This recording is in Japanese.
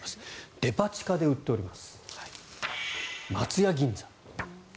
デパ地下で売っております。